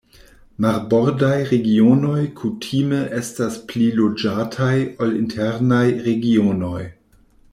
Marbordaj regionoj kutime estas pli loĝataj ol internaj regionoj.